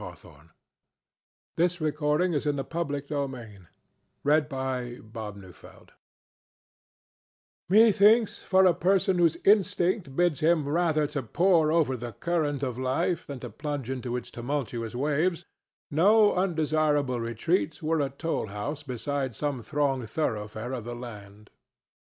THE TOLL GATHERER'S DAY A SKETCH OF TRANSITORY LIFE Methinks, for a person whose instinct bids him rather to pore over the current of life than to plunge into its tumultuous waves, no undesirable retreat were a toll house beside some thronged thoroughfare of the land.